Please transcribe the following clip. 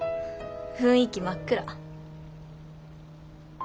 雰囲気真っ暗。